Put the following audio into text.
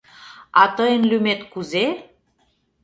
А тыйын лӱмет кузе?